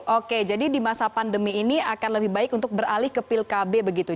oke jadi di masa pandemi ini akan lebih baik untuk beralih ke pil kb begitu